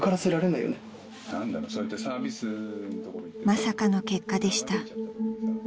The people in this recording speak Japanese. ［まさかの結果でした］